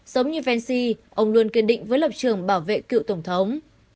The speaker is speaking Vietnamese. giống như vansi ông luôn kiên định với lập trường bảo vệ cựu tổng thống